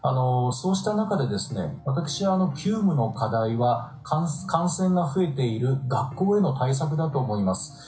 そうした中で、私は急務の課題は感染が増えている学校への対策だと思います。